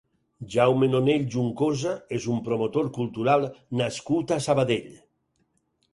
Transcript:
Jaume Nonell Juncosa és un promotor cultural nascut a Sabadell.